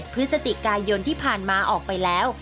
พฤศจิกายนที่ผ่านมาออกไปแล้ว